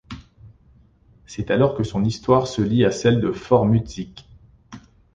C'est alors que son histoire se lie à celle du Fort de Mutzig.